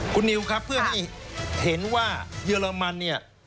คุณนิวครับเพื่อให้เห็นว่าเยอรมันเนี่ย